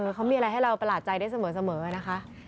เขามีอะไรให้เราประหลาดใจได้เสมอนะคะ